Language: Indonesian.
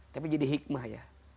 tapi jadi hikmah ya